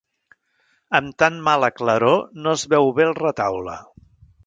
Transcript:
Amb tan mala claror no es veu bé el retaule.